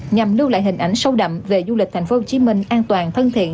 nhằm lưu lại hình ảnh sâu đậm về du lịch tp hcm an toàn thân thiện